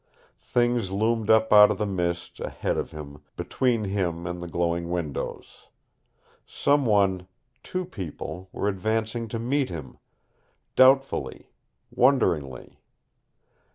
Things loomed up out of the mist ahead of him, between him and the glowing windows. Some one two people were advancing to meet him, doubtfully, wonderingly.